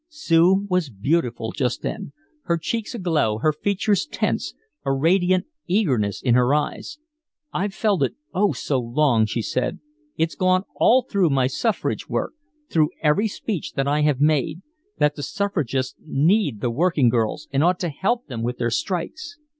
Sue was beautiful just then her cheeks aglow, her features tense, a radiant eagerness in her eyes. "I've felt it, oh so long," she said. "It's gone all through my suffrage work through every speech that I have made that the suffragists need the working girls and ought to help them win their strikes!"